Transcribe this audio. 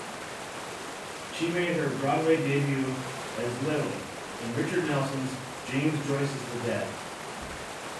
She made her Broadway debut as Lily in Richard Nelson's "James Joyce's The Dead".